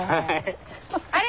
あれ？